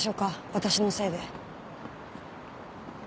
私のせいで。